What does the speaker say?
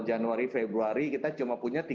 januari februari kita cuma punya